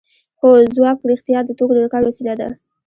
هو ځواک په رښتیا د توکو د کار وسیله ده